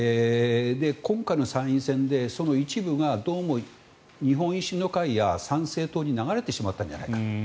今回の参院選で、その一部がどうも日本維新の会や参政党に流れてしまったんじゃないかと。